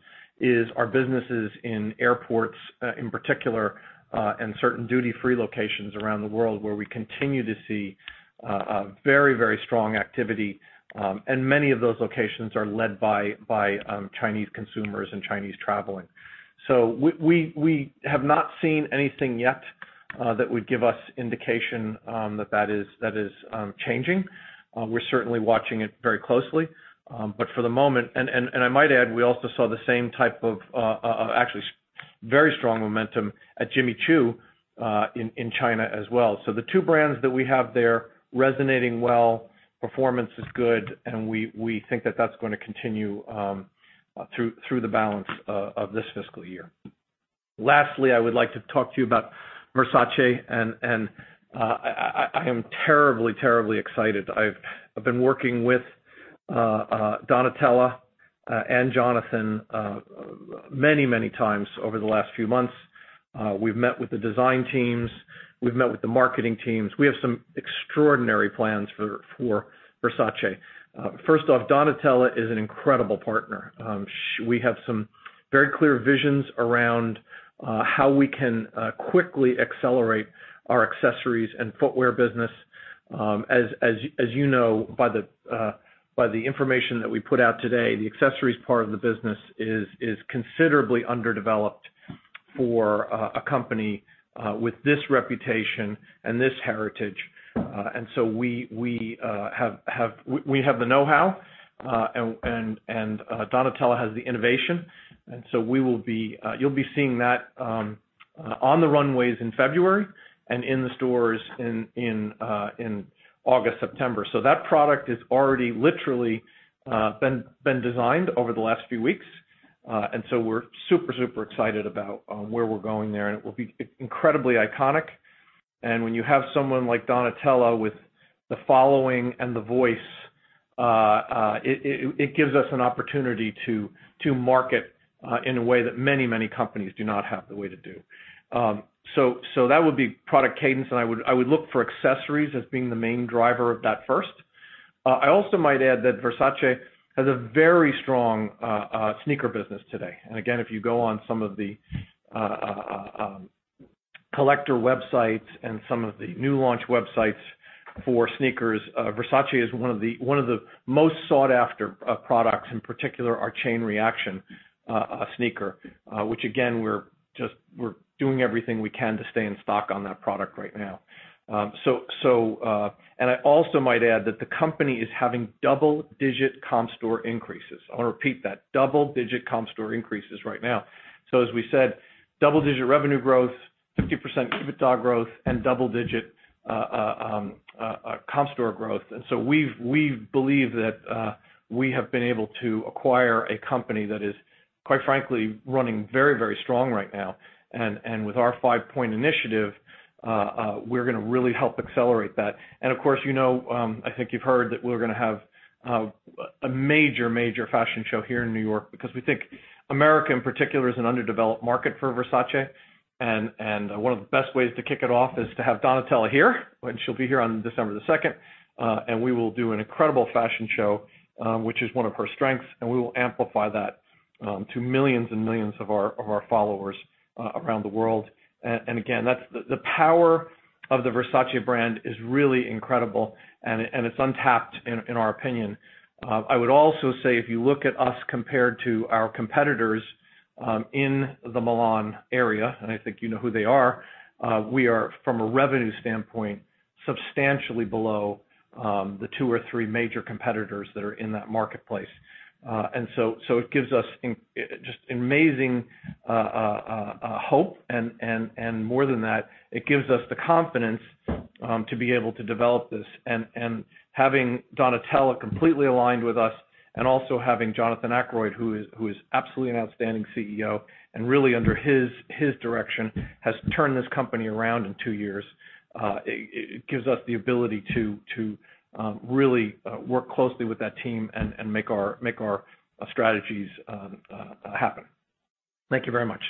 S3: is our businesses in airports in particular, and certain duty-free locations around the world where we continue to see very strong activity. Many of those locations are led by Chinese consumers and Chinese traveling. We have not seen anything yet that would give us indication that is changing. We're certainly watching it very closely. I might add, we also saw the same type of actually very strong momentum at Jimmy Choo in China as well. The two brands that we have there resonating well, performance is good, we think that that's going to continue through the balance of this fiscal year. Lastly, I would like to talk to you about Versace. I am terribly excited. I've been working with Donatella and Jonathan many times over the last few months. We've met with the design teams. We've met with the marketing teams. We have some extraordinary plans for Versace. First off, Donatella is an incredible partner. We have some very clear visions around how we can quickly accelerate our accessories and footwear business. As you know by the information that we put out today, the accessories part of the business is considerably underdeveloped for a company with this reputation and this heritage. We have the know-how, and Donatella has the innovation. You'll be seeing that on the runways in February and in the stores in August, September. That product is already literally been designed over the last few weeks. We're super excited about where we're going there, it will be incredibly iconic. When you have someone like Donatella with the following and the voice, it gives us an opportunity to market in a way that many companies do not have the way to do. That would be product cadence, I would look for accessories as being the main driver of that first. I also might add that Versace has a very strong sneaker business today. Again, if you go on some of the collector websites and some of the new launch websites for sneakers, Versace is one of the most sought-after products, in particular, our Chain Reaction sneaker, which again, we're doing everything we can to stay in stock on that product right now. I also might add that the company is having double-digit comp store increases. I want to repeat that. Double-digit comp store increases right now. As we said, double-digit revenue growth, 50% EBITDA growth, and double-digit comp store growth. We believe that we have been able to acquire a company that is, quite frankly, running very strong right now. With our five-point initiative, we're going to really help accelerate that. Of course, I think you've heard that we're going to have a major fashion show here in New York because we think America, in particular, is an underdeveloped market for Versace. One of the best ways to kick it off is to have Donatella here, and she'll be here on December the 2nd. We will do an incredible fashion show, which is one of her strengths, and we will amplify that to millions and millions of our followers around the world. Again, the power of the Versace brand is really incredible, and it's untapped, in our opinion. I would also say, if you look at us compared to our competitors in the Milan area, and I think you know who they are, we are, from a revenue standpoint, substantially below the two or three major competitors that are in that marketplace. It gives us just amazing hope, and more than that, it gives us the confidence to be able to develop this. Having Donatella completely aligned with us and also having Jonathan Akeroyd, who is absolutely an outstanding CEO and really under his direction, has turned this company around in two years, it gives us the ability to really work closely with that team and make our strategies happen. Thank you very much.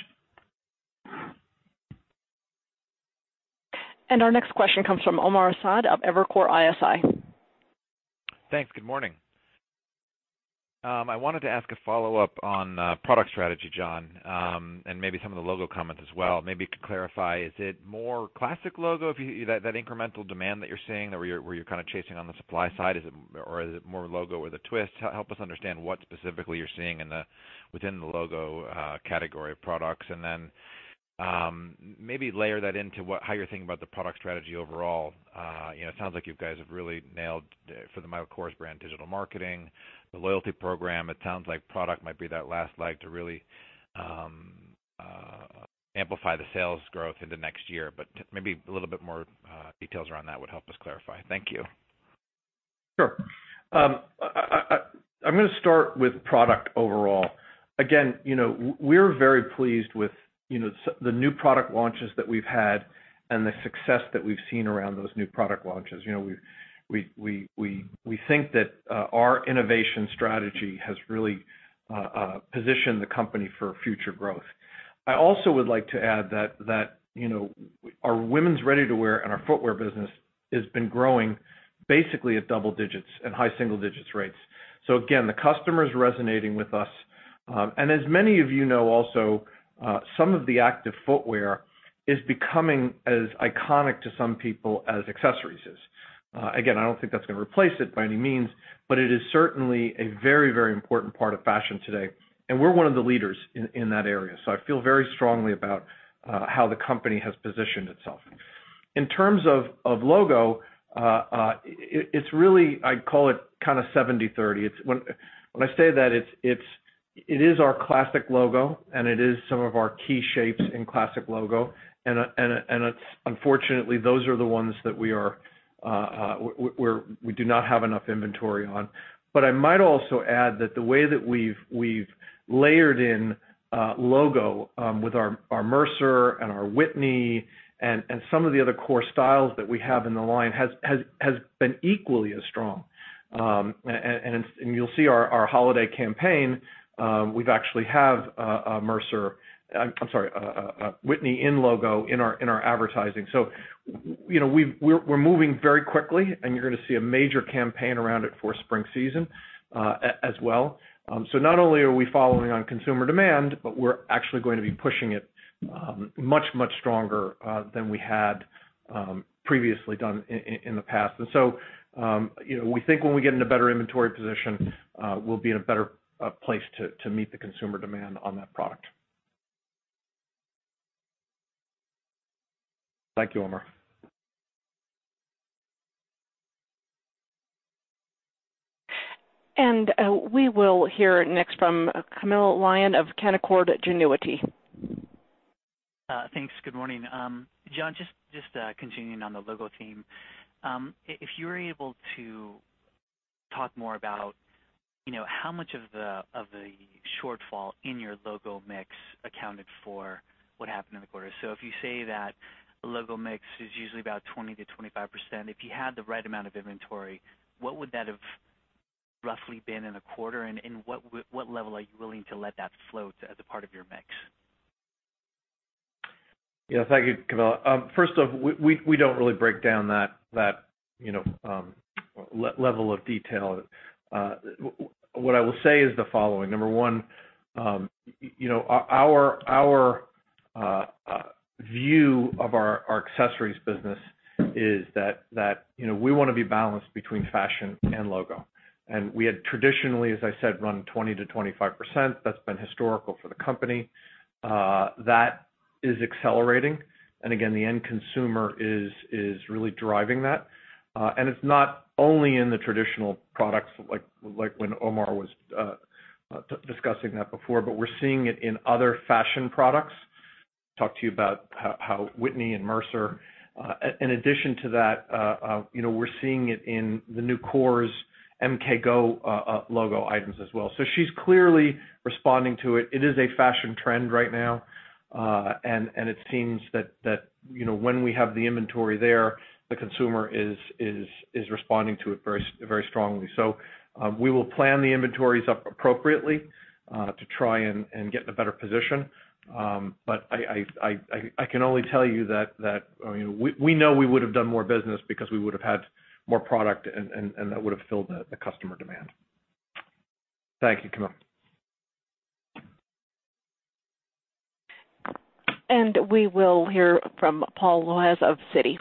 S1: Our next question comes from Omar Saad of Evercore ISI.
S8: Thanks. Good morning. I wanted to ask a follow-up on product strategy, John, and maybe some of the logo comments as well. Maybe you could clarify, is it more classic logo, that incremental demand that you're seeing, where you're kind of chasing on the supply side? Or is it more logo with a twist? Help us understand what specifically you're seeing within the logo category of products. Maybe layer that into how you're thinking about the product strategy overall. It sounds like you guys have really nailed, for the Michael Kors brand, digital marketing, the loyalty program. It sounds like product might be that last leg to really amplify the sales growth into next year, but maybe a little bit more details around that would help us clarify. Thank you.
S3: Sure. I'm going to start with product overall. Again, we're very pleased with the new product launches that we've had and the success that we've seen around those new product launches. We think that our innovation strategy has really positioned the company for future growth. I also would like to add that our women's ready-to-wear and our footwear business has been growing basically at double digits and high single digits rates. Again, the customer is resonating with us. As many of you know also, some of the active footwear is becoming as iconic to some people as accessories is. Again, I don't think that's going to replace it by any means, but it is certainly a very important part of fashion today, and we're one of the leaders in that area. I feel very strongly about how the company has positioned itself. In terms of logo, it's really, I'd call it kind of 70/30. When I say that, it is our classic logo, and it is some of our key shapes in classic logo, and unfortunately, those are the ones that we do not have enough inventory on. I might also add that the way that we've layered in logo with our Mercer and our Whitney and some of the other core styles that we have in the line has been equally as strong. You'll see our holiday campaign, we actually have a Mercer, I'm sorry, a Whitney in logo in our advertising. We're moving very quickly, and you're going to see a major campaign around it for spring season as well. Not only are we following on consumer demand, but we're actually going to be pushing it much stronger than we had previously done in the past. We think when we get in a better inventory position, we'll be in a better place to meet the consumer demand on that product. Thank you, Omar.
S1: We will hear next from Camilo Lyon of Canaccord Genuity.
S9: Thanks. Good morning. John, just continuing on the logo theme. If you're able to talk more about how much of the shortfall in your logo mix accounted for what happened in the quarter. If you say that the logo mix is usually about 20%-25%, if you had the right amount of inventory, what would that have roughly been in a quarter? What level are you willing to let that float as a part of your mix?
S3: Yes. Thank you, Camilo. First off, we don't really break down that level of detail. What I will say is the following. Number one, our view of our accessories business is that we want to be balanced between fashion and logo. We had traditionally, as I said, run 20%-25%. That's been historical for the company. That is accelerating. Again, the end consumer is really driving that. It's not only in the traditional products, like when Omar was discussing that before, but we're seeing it in other fashion products. Talk to you about how Whitney and Mercer, in addition to that, we're seeing it in the new Kors MK Go logo items as well. She's clearly responding to it. It is a fashion trend right now. It seems that when we have the inventory there, the consumer is responding to it very strongly. We will plan the inventories up appropriately to try and get in a better position. I can only tell you that we know we would have done more business because we would have had more product, and that would have filled the customer demand. Thank you, Camilo.
S1: We will hear from Paul Lejuez of Citi.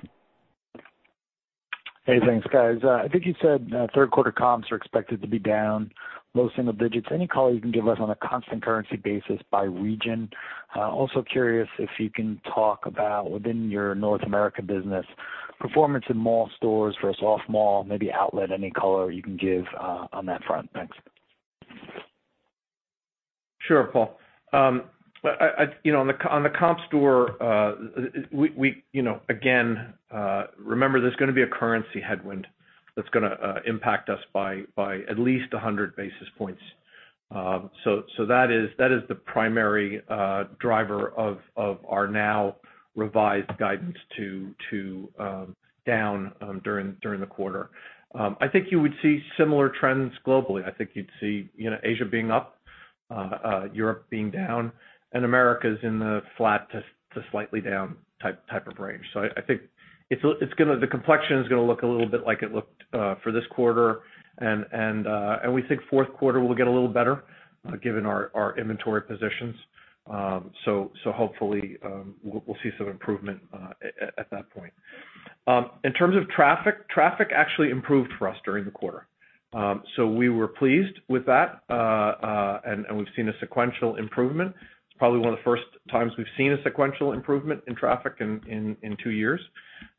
S10: Hey, thanks guys. I think you said third quarter comps are expected to be down low single digits. Any color you can give us on a constant currency basis by region? Also curious if you can talk about within your North America business, performance in mall stores versus off-mall, maybe outlet, any color you can give on that front. Thanks.
S3: Sure, Paul. On the comp store, again, remember there's going to be a currency headwind that's going to impact us by at least 100 basis points. That is the primary driver of our now revised guidance to down during the quarter. I think you would see similar trends globally. I think you'd see Asia being up, Europe being down and Americas in the flat to slightly down type of range. I think the complexion is going to look a little bit like it looked for this quarter, and we think fourth quarter will get a little better given our inventory positions. Hopefully, we'll see some improvement at that point. In terms of traffic actually improved for us during the quarter. We were pleased with that, and we've seen a sequential improvement. It's probably one of the first times we've seen a sequential improvement in traffic in two years.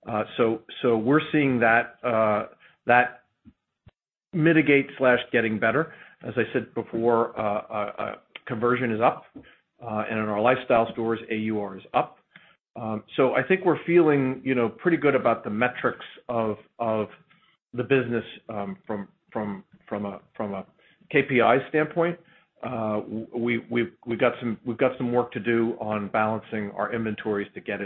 S3: We're seeing that mitigate/getting better. As I said before, conversion is up, and in our lifestyle stores, AUR is up. I think we're feeling pretty good about the metrics of the business from a KPI standpoint. We've got some work to do on balancing our inventories to get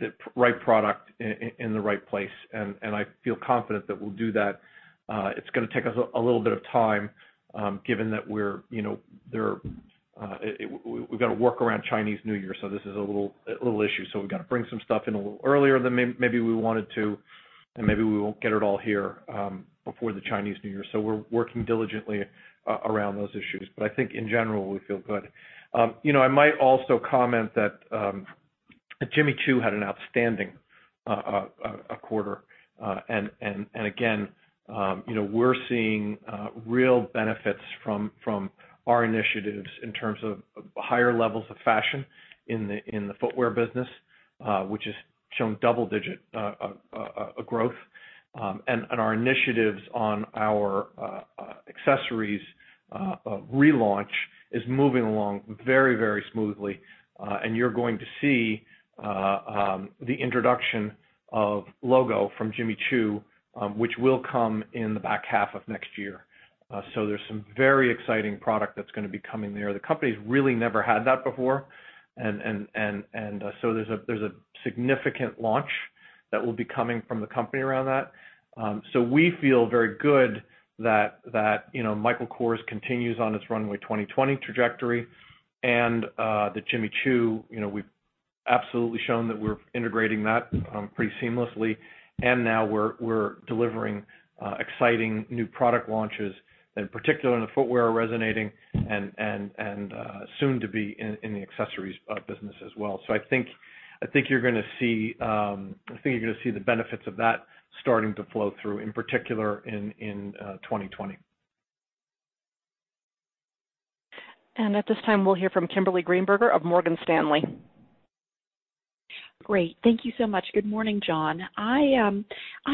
S3: the right product in the right place, and I feel confident that we'll do that. It's going to take us a little bit of time, given that we've got to work around Chinese New Year, this is a little issue. We've got to bring some stuff in a little earlier than maybe we wanted to, and maybe we won't get it all here before the Chinese New Year. We're working diligently around those issues. I think in general, we feel good. I might also comment that Jimmy Choo had an outstanding quarter. Again, we're seeing real benefits from our initiatives in terms of higher levels of fashion in the footwear business, which has shown double-digit growth. Our initiatives on our accessories relaunch is moving along very smoothly. You're going to see the introduction of Logo from Jimmy Choo, which will come in the back half of next year. There's some very exciting product that's going to be coming there. The company's really never had that before, there's a significant launch that will be coming from the company around that. We feel very good that Michael Kors continues on its Runway 2020 trajectory, and that Jimmy Choo, we've absolutely shown that we're integrating that pretty seamlessly. Now we're delivering exciting new product launches and particularly in the footwear resonating, and soon to be in the accessories business as well. I think you're going to see the benefits of that starting to flow through, in particular in 2020.
S1: At this time, we'll hear from Kimberly Greenberger of Morgan Stanley.
S11: Great. Thank you so much. Good morning, John. I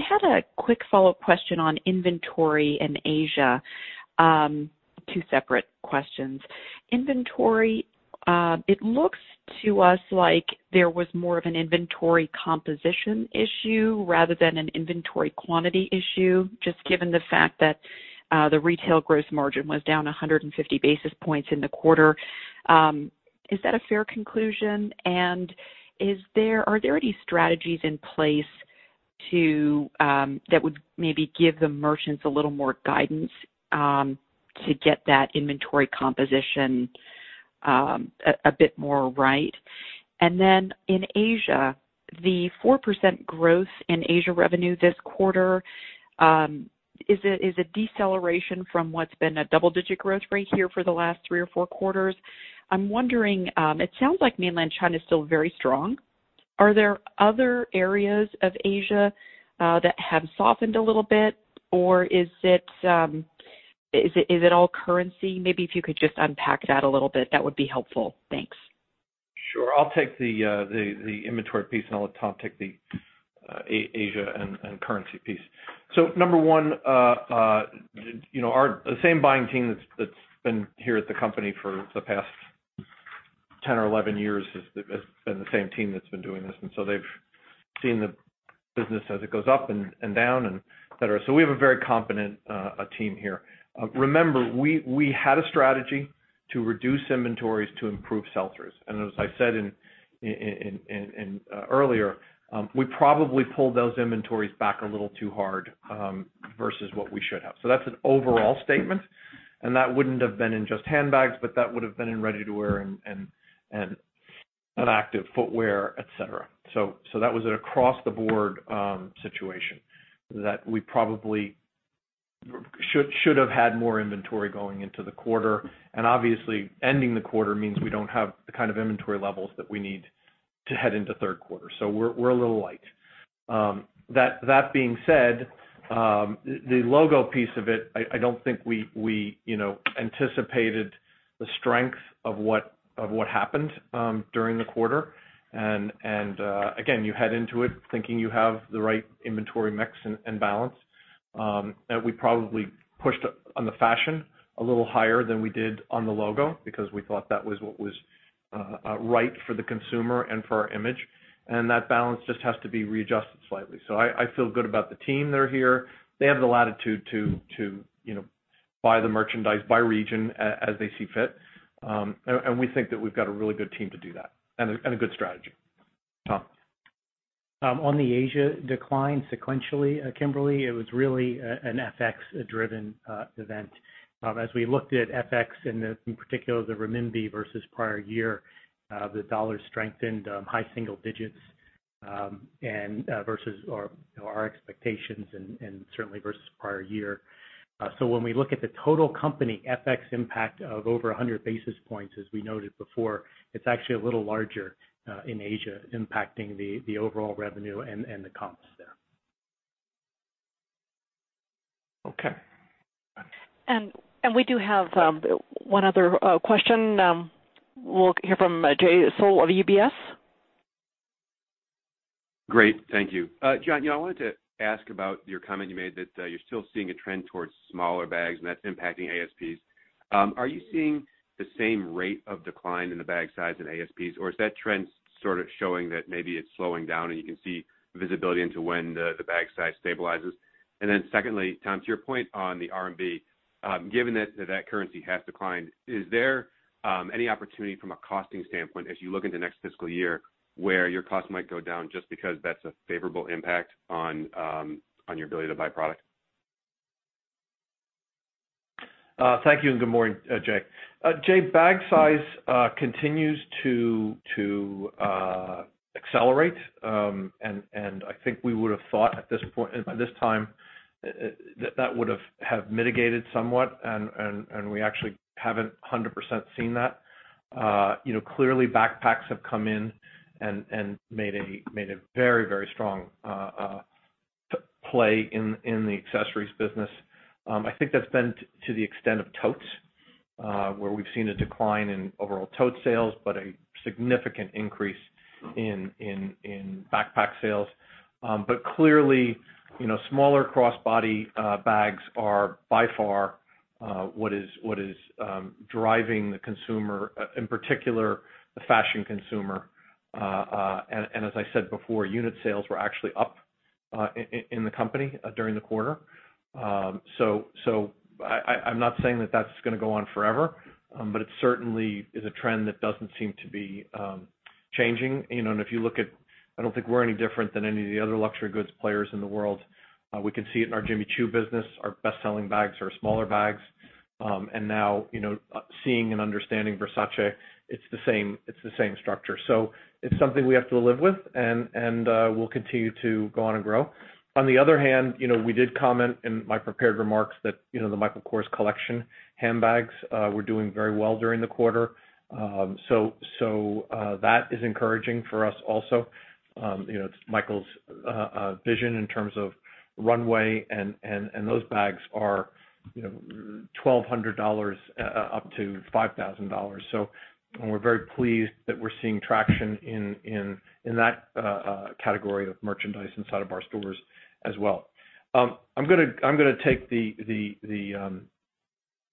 S11: had a quick follow-up question on inventory in Asia. Two separate questions. Inventory, it looks to us like there was more of an inventory composition issue rather than an inventory quantity issue, just given the fact that the retail gross margin was down 150 basis points in the quarter. Is that a fair conclusion? Are there any strategies in place that would maybe give the merchants a little more guidance to get that inventory composition a bit more right? In Asia, the 4% growth in Asia revenue this quarter is a deceleration from what's been a double-digit growth rate here for the last three or four quarters. I'm wondering, it sounds like mainland China is still very strong. Are there other areas of Asia that have softened a little bit, or is it all currency? Maybe if you could just unpack that a little bit, that would be helpful. Thanks.
S3: Sure. I'll take the inventory piece, and I'll let Tom take the Asia and currency piece. Number one, the same buying team that's been here at the company for the past 10 or 11 years has been the same team that's been doing this, they've seen the business as it goes up and down, et cetera. We have a very competent team here. Remember, we had a strategy to reduce inventories to improve sell-throughs. As I said earlier, we probably pulled those inventories back a little too hard versus what we should have. That's an overall statement, and that wouldn't have been in just handbags, but that would have been in ready-to-wear and active footwear, et cetera. That was an across-the-board situation that we probably should have had more inventory going into the quarter. Obviously, ending the quarter means we don't have the kind of inventory levels that we need to head into third quarter. We're a little light. That being said, the Logo piece of it, I don't think we anticipated the strength of what happened during the quarter. Again, you head into it thinking you have the right inventory mix and balance. We probably pushed on the fashion a little higher than we did on the Logo because we thought that was what was right for the consumer and for our image, and that balance just has to be readjusted slightly. I feel good about the team that are here. They have the latitude to buy the merchandise by region as they see fit. We think that we've got a really good team to do that, and a good strategy. Tom?
S4: On the Asia decline sequentially, Kimberly, it was really an FX-driven event. As we looked at FX, in particular the renminbi versus prior year, the dollar strengthened high single digits versus our expectations and certainly versus prior year. When we look at the total company FX impact of over 100 basis points, as we noted before, it's actually a little larger in Asia, impacting the overall revenue and the comps there.
S3: Okay.
S1: We do have one other question. We will hear from Jay Sole of UBS.
S12: Great. Thank you. John, I wanted to ask about your comment you made that you are still seeing a trend towards smaller bags and that is impacting ASPs. Are you seeing the same rate of decline in the bag size and ASPs, or is that trend sort of showing that maybe it is slowing down and you can see visibility into when the bag size stabilizes? Secondly, Tom, to your point on the RMB, given that that currency has declined, is there any opportunity from a costing standpoint as you look into next fiscal year where your costs might go down just because that is a favorable impact on your ability to buy product?
S3: Thank you and good morning, Jay. Jay, bag size continues to accelerate. I think we would have thought by this time that that would have mitigated somewhat, and we actually have not 100% seen that. Clearly backpacks have come in and made a very strong play in the accessories business. I think that is been to the extent of totes, where we have seen a decline in overall tote sales, but a significant increase in backpack sales. Clearly, smaller crossbody bags are by far what is driving the consumer, in particular the fashion consumer. As I said before, unit sales were actually up in the company during the quarter. I am not saying that that is going to go on forever. It certainly is a trend that does not seem to be changing. If you look at, I do not think we are any different than any of the other luxury goods players in the world. We can see it in our Jimmy Choo business. Our best-selling bags are smaller bags. Now, seeing and understanding Versace, it is the same structure. It is something we have to live with, and we will continue to go on and grow. On the other hand, we did comment in my prepared remarks that the Michael Kors Collection handbags were doing very well during the quarter. That is encouraging for us also. It is Michael's vision in terms of runway and those bags are $1,200 up to $5,000. We are very pleased that we are seeing traction in that category of merchandise inside of our stores as well. I am going to take the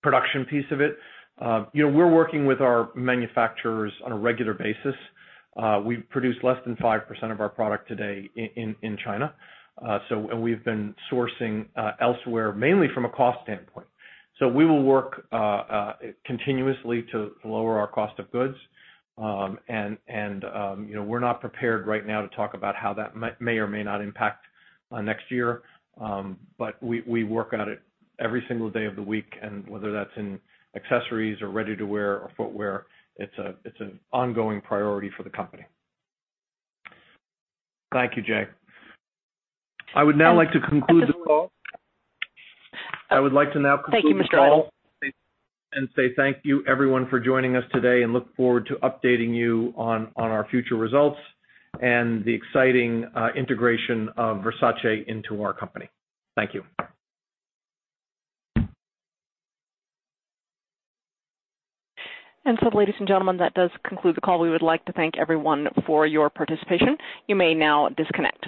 S3: production piece of it. We are working with our manufacturers on a regular basis. We produce less than 5% of our product today in China. We've been sourcing elsewhere mainly from a cost standpoint. We will work continuously to lower our cost of goods. We're not prepared right now to talk about how that may or may not impact next year. We work on it every single day of the week, and whether that's in accessories or ready-to-wear or footwear, it's an ongoing priority for the company. Thank you, Jay. I would now like to conclude the call.
S1: Thank you, Mr. Idol.
S3: Say thank you everyone for joining us today, and look forward to updating you on our future results and the exciting integration of Versace into our company. Thank you.
S1: Ladies and gentlemen, that does conclude the call. We would like to thank everyone for your participation. You may now disconnect.